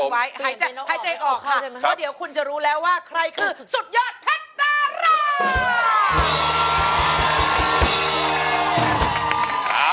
หายใจหายใจออกค่ะเพราะเดี๋ยวคุณจะรู้แล้วว่าใครคือสุดยอดเพชรดารา